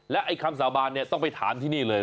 แล้วคำสาบานต้องไปถามที่นี่เลย